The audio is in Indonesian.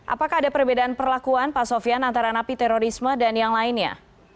apakah ada perbedaan perlakuan pak sofian antara napi terorisme dan yang lainnya